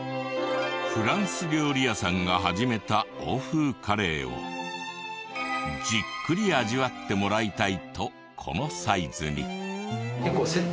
フランス料理屋さんが始めた欧風カレーをじっくり味わってもらいたいとこのサイズに。